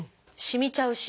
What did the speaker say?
しみちゃうし。